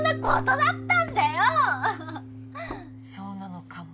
そうなのかも。